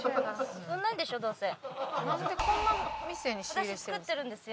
私作ってるんですよ。